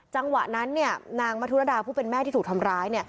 จังหวะนั้นนางมธุรดาผู้เป็นแม่ที่ถูกทำร้าย